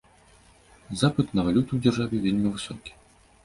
Запыт на валюту ў дзяржаве вельмі высокі.